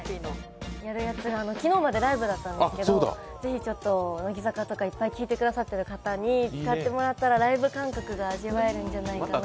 昨日までライブだったんですけど、ぜひ乃木坂とかいっぱい聴いてくださってる方に使ってもらったらライブ感覚が味わえるんじゃないかなって。